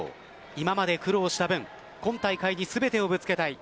今まで苦労した分今大会にすべてをぶつけたい。